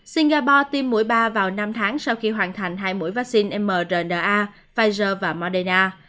singapore tiêm mũi ba vào năm tháng sau khi hoàn thành hai mũi vaccine mrna pfizer và moderna